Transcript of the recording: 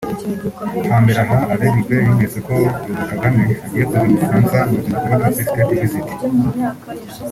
hambere aha Alain Juppe yumvise ko President kagame agiye kuza mu bufransa mu ruzinduko rw’akazi (state visit)